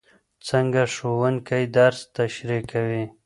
څنګه ښوونکی درس تشریح کوي؟